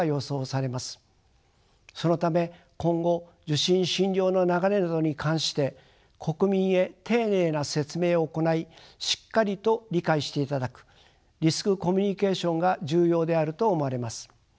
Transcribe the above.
そのため今後受診・診療の流れなどに関して国民へ丁寧な説明を行いしっかりと理解していただくリスクコミュニケーションが重要であると思われます。